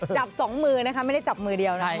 จับสองมือไม่ได้จับมือเดียวเนี่ย